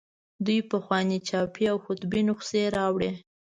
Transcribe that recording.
دوی پخوانۍ چاپي او خطي نسخې راوړي.